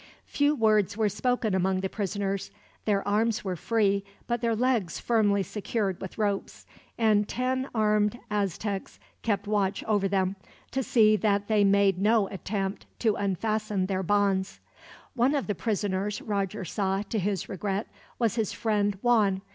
Few words were spoken among the prisoners. Their arms were free, but their legs firmly secured with ropes; and ten armed Aztecs kept watch over them, to see that they made no attempt to unfasten their bonds. One of the prisoners Roger saw, to his regret, was his friend Juan.